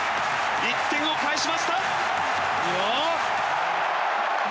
１点を返しました。